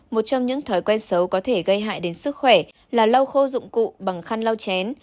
một trong những thói quen xấu có thể gây hại đến sức khỏe là lau khô dụng cụ bằng khăn lau chén